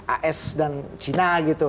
as dan cina gitu